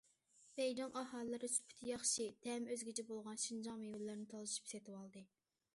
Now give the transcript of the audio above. بېيجىڭ ئاھالىلىرى سۈپىتى ياخشى، تەمى ئۆزگىچە بولغان شىنجاڭ مېۋىلىرىنى تالىشىپ سېتىۋالدى.